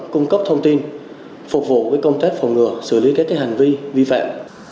cung cấp thông tin phục vụ công tác phòng ngừa xử lý các hành vi vi phạm